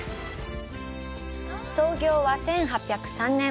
創業は１８０３年。